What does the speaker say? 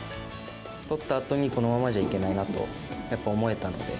とったあとにこのままじゃいけないなと、やっぱ思えたので。